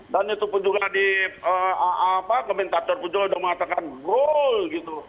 dan itu pun juga di komentator pun juga sudah mengatakan goal gitu